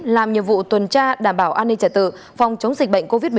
làm nhiệm vụ tuần tra đảm bảo an ninh trả tự phòng chống dịch bệnh covid một mươi chín